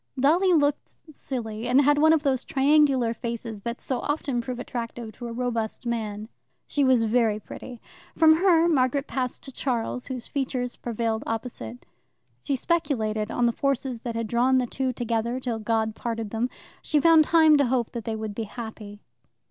Dolly looked silly, and had one of those triangular faces that so often prove attractive to a robust man. She was very pretty. From her Margaret passed to Charles, whose features prevailed opposite. She speculated on the forces that had drawn the two together till God parted them. She found time to hope that they would be happy.